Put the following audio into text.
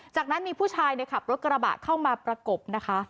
จากนั้นมีผู้ชายขับรถกระบะเข้ามาประกบนะคะ